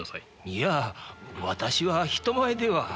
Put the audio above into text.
いや私は人前では。